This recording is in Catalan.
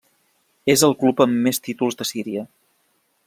És el club amb més títols de Síria.